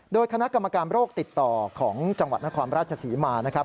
โดยคณะกรรมการโรคติดต่อของจังหวัดนครราชศรีมานะครับ